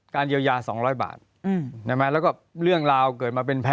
เยียวยา๒๐๐บาทแล้วก็เรื่องราวเกิดมาเป็นแพ้